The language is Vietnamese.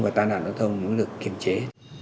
và tai nạn giao thông muốn được kiềm chế